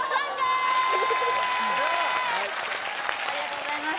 ・すげえありがとうございます